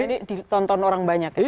ini ditonton orang banyak ya